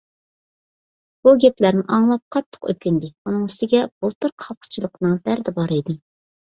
بۇ گەپلەرنى ئاڭلاپ قاتتىق ئۆكۈندى، ئۇنىڭ ئۈستىگە بۇلتۇرقى خاپىچىلىقنىڭ دەردى بار ئىدى.